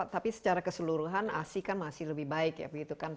tapi secara keseluruhan asi kan masih lebih baik ya begitu kan